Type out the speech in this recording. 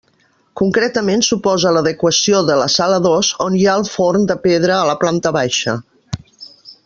Concretament suposa l'adequació de la sala dos, on hi ha el forn de pedra a la planta baixa.